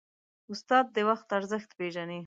استاد د وخت ارزښت پېژني.